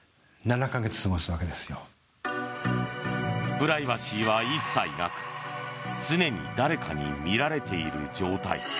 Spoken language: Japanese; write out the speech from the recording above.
プライバシーは一切なく常に誰かに見られている状態。